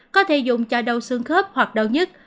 có thể dùng cho đầu xương khớp hoặc đầu nhất